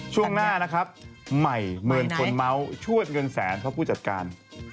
ช่วงหน้านะครับใหม่เหมือนคนเมาส์ชวดเงินแสนเพราะผู้จัดการ